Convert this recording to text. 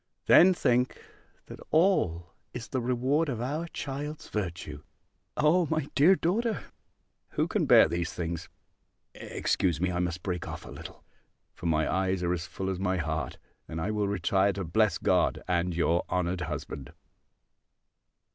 Then think, that all is the reward of our child's virtue! O my dear daughter, who can bear these things! Excuse me! I must break off a little! For my eyes are as full as my heart: and I will retire to bless God, and your honoured husband.